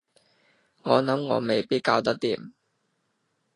我諗我未必搞得掂